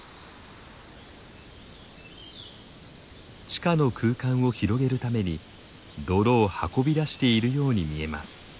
地下の空間を広げるために泥を運び出しているように見えます。